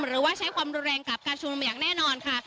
หรือว่าใช้ความรุนแรงกับการชุมนุมอย่างแน่นอนค่ะ